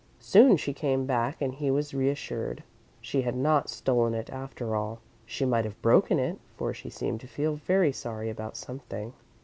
Soon she came back and he was reassured. She had not stolen it after all. She might have broken it, for she seemed to feel very sorry about something.